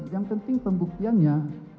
yang penting pembuktiannya